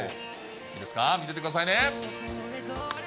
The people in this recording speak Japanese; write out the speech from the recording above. いいですか、見ててくださいね。